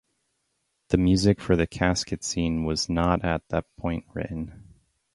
The music for the casket scene was not at that point written.